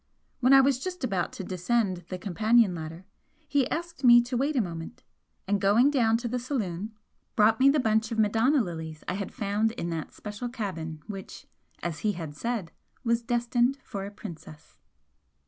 When I was just about to descend the companion ladder, he asked me to wait a moment, and going down to the saloon, brought me the bunch of Madonna lilies I had found in that special cabin which, as he had said, was destined 'for a princess.'